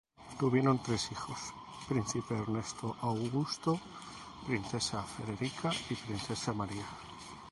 Tuvieron tres hijos: príncipe Ernesto Augusto, princesa Federica, y princesa María.